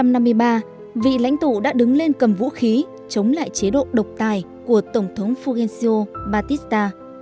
năm một nghìn chín trăm năm mươi ba vị lãnh tụ đã đứng lên cầm vũ khí chống lại chế độ độc tài của tổng thống fulgencio batista